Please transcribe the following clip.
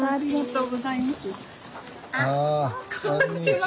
あこんにちは。